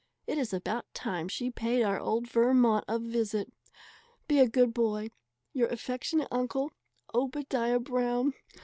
It is about time she paid our old Vermont a visit. Be a good boy. Your affectionate uncle, OBADIAH BROWN.